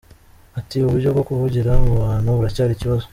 Ati “Uburyo bwo kuvugira mu bantu buracyari ikibazo.